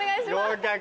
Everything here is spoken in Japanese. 合格。